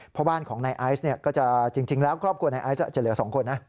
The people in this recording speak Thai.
เพราะบ้านของนายไอซ์ก็จะจริงแล้วครอบครัวนายไอซ์จะเหลือ๒คนนะ